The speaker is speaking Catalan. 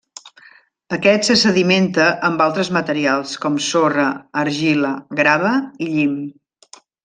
Aquest se sedimenta amb altres materials, com sorra, argila, grava i llim.